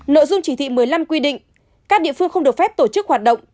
nội dung chỉ thị một mươi năm quy định các địa phương không được phép tổ chức hoạt động